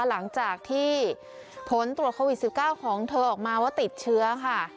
หลังจากที่ผลตรวจโควิด๑๙ของเธอออกมาว่าติดเชื้อค่ะ